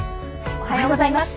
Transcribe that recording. おはようございます。